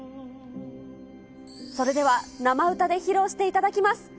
それでは、生歌で披露していただきます。